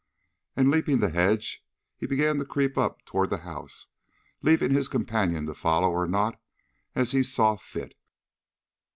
And leaping the hedge, he began creeping up toward the house, leaving his companion to follow or not, as he saw fit.